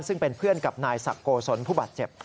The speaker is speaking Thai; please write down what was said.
ซึ่งเป็นเพื่อนกับนายศักดิ์โกศลผู้บาดเจ็บ